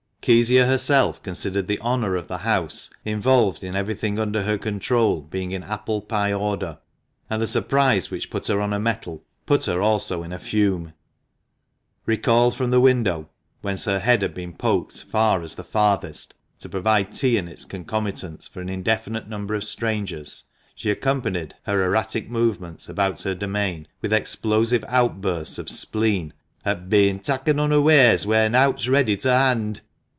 Kezia herself considered the honour of the house involved in everything under her control being " in apple pie order ;" and the surprise which put her on her mettle, put her also in a fume. Recalled from the window — whence her head had been poked far as the farthest — to provide tea and its concomitants for an indefinite number of strangers, she accompanied her erratic movements about her domain with explosive outbursts of spleen at " bein' takken unawares when nowt's ready to hand."